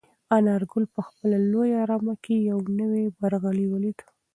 انارګل په خپله لویه رمه کې یو نوی برغلی ولید.